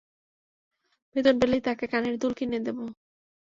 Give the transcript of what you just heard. বেতন পেলেই তোকে কানের দুল কিনে দেবো।